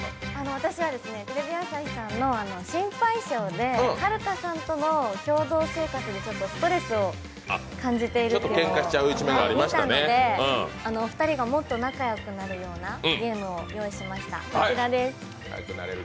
私はテレビ朝日さんの「シンパイ賞！！」ではるかさんとの共同生活でストレスを感じているというのを見たのでお二人がもっと仲よくなれるようなゲームを用意しました。